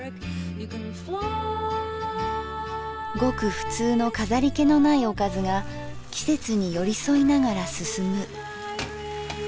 ごく普通の飾り気のないおかずが季節に寄り添いながら進む。